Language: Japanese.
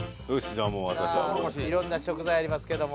さあいろんな食材ありますけども。